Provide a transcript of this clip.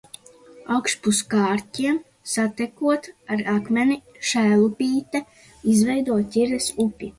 Augšpus Kārķiem, satekot ar Akmeni, Šēlupīte izveido Ķires upi.